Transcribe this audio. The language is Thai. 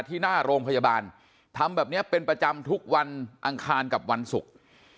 ที่หน้าโรงพยาบาลทำแบบนี้เป็นประจำทุกวันอังคารกับวันศุกร์